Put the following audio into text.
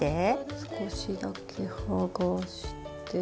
少しだけはがして。